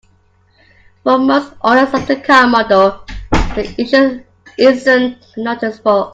For most owners of the car model, the issue isn't noticeable.